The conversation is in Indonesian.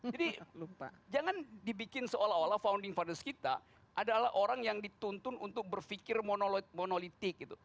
jadi jangan dibikin seolah olah founding father kita adalah orang yang dituntun untuk berpikir monolitik